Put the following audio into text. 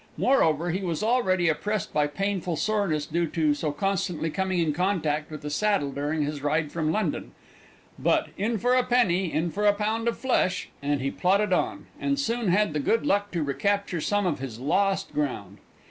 Moreover, he was already oppressed by painful soreness, due to so constantly coming in contact with the saddle during his ride from London but "in for a penny, in for a pound of flesh," and he plodded on, and soon had the good luck to recapture some of his lost ground.